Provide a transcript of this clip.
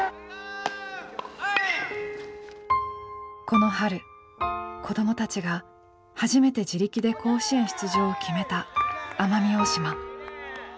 この春子どもたちが初めて自力で甲子園出場を決めた奄美大島。